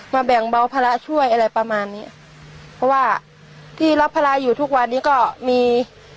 แบ่งเบาภาระช่วยอะไรประมาณนี้เพราะว่าที่รับภาระอยู่ทุกวันนี้ก็มี